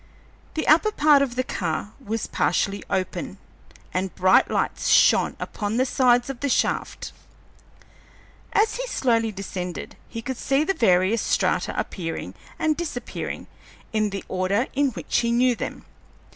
The upper part of the car was partially open, and bright lights shone upon the sides of the shaft. As he slowly descended, he could see the various strata appearing and disappearing in the order in which he knew them.